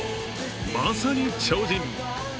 まさに超人。